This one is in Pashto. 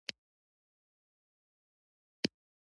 دا د حاکمو واکمنو مکلفیت دی.